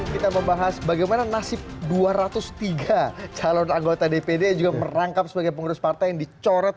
kita membahas bagaimana nasib dua ratus tiga calon anggota dvd juga merangkap sebagai pemerintah partai d crude